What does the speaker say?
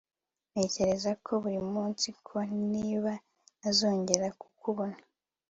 ntekereza ko burimunsi ko niba ntazongera kukubona